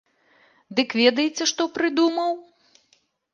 Дык ведаеце, што прыдумаў?